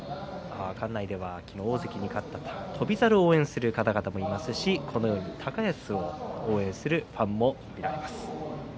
館内では大関に勝った翔猿を応援する方々もいますし高安を応援するファンも見られます。